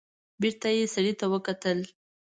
بېرته يې سړي ته وکتل.